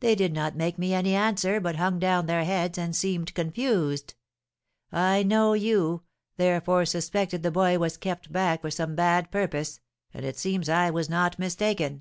They did not make me any answer, but hung down their heads, and seemed confused. I know you, therefore suspected the boy was kept back for some bad purpose, and it seems I was not mistaken.